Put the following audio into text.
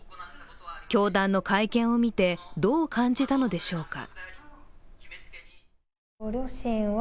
教団の会見を見て、どう感じたのでしょうか。